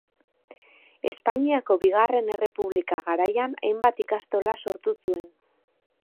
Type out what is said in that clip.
Espainiako Bigarren Errepublika garaian hainbat ikastola sortu zuen.